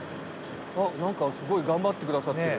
あっ何かすごい頑張ってくださってる。